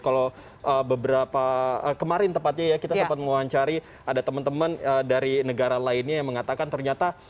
kalau beberapa kemarin tepatnya ya kita sempat menguancari ada teman teman dari negara lainnya yang mengatakan ternyata